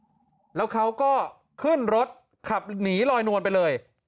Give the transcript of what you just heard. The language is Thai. แล้วเขาก็ขึ้นรถขับหนีลอยนวลไปเลย